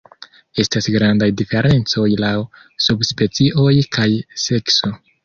Estas grandaj diferencoj laŭ subspecioj kaj sekso.